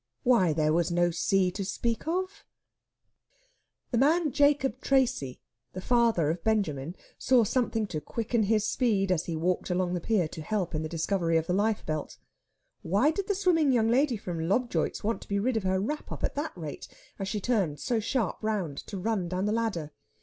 Why, there was no sea to speak of! The man Jacob Tracy, the father of Benjamin, saw something to quicken his speed as he walked along the pier to help in the discovery of the life belt. Why did the swimming young lady from Lobjoit's want to be rid of her wrap up at that rate as she turned so sharp round to run down the ladder?